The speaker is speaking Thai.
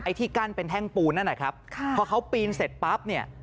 ที่กั้นเป็นแท่งปูนนั่นแหละครับค่ะพอเขาปีนเสร็จปั๊บเนี่ย